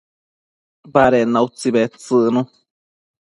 baded na utsi bedtsëcnu